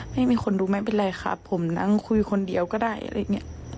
ไม่มีคนดูไม่เป็นไรค่ะผมนั่งคุยคนเดียวก็ได้